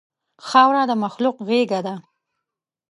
خاوره د مخلوق غېږه ده.